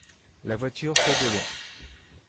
La voiture fait de long.